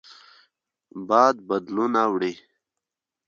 باد بادلونه وړي